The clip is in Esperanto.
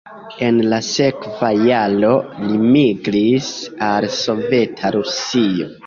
En la sekva jaro li migris al Soveta Rusio.